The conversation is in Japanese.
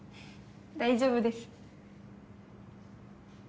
大丈夫です。